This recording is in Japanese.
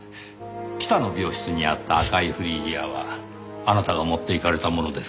北の病室にあった赤いフリージアはあなたが持っていかれたものですか？